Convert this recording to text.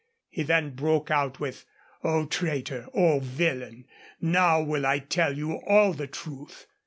He then broke out with, 'O traitor! O villain! now will I tell you all the truth!'